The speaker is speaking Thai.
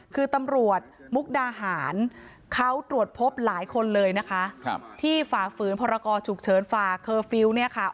คือตำรวจมุกดาหารเขาตรวจพบหลายคนเลยนะคะที่ฝ่าฝืนพรกรฉุกเฉินฝ่าเคอร์ฟิลล์เนี่ยค่ะ